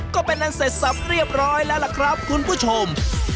ก็เป็นอันเสร็จสับเรียบร้อยแล้วล่ะครับคุณผู้ชม